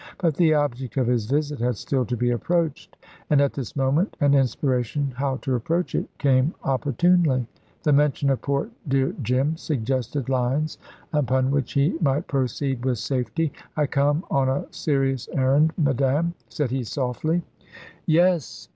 But the object of his visit had still to be approached, and at this moment an inspiration how to approach it came opportunely. The mention of poor dear Jim suggested lines upon which he might proceed with safety. "I come on a serious errand, madame," said he, softly. "Yes!"